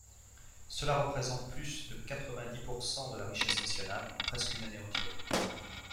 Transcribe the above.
Cela représente plus de quatre-vingt-dix pourcent de la richesse nationale, presque une année entière.